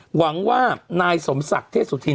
หวังว่านายสมศักดิ์เทศสุธี